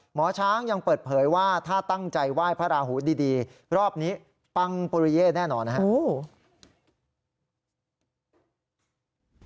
หมอช้างยังเปิดเผยว่าถ้าตั้งใจไหว้พระราหูดีรอบนี้ปังปุริเย่แน่นอนนะครับ